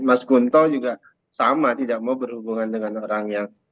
mas gunto juga sama tidak mau berhubungan dengan orang yang